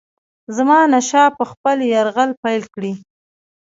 زمانشاه به خپل یرغل پیل کړي.